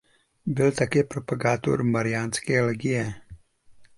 Byl také propagátorem mariánské legie.